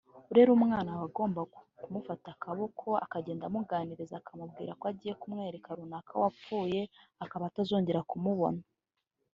urera umwana aba agomba kumufata akaboko akagenda amuganiriza akamubwira ko agiye kumwereka runaka wapfuye akaba atazongera kumubona